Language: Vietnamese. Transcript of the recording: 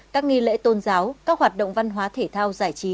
các nghi lễ tôn giáo các hoạt động văn hóa thể thao giải trí